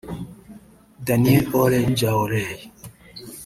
Daniel Ole Njoolay